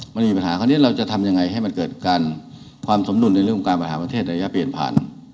มันมีปัญหาคราวนี้เราจะทำยังไงให้มันเกิดการความสมดุลในเรื่องของการบริหารประเทศระยะเปลี่ยนผ่าน